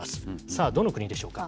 さあ、どの国でしょうか。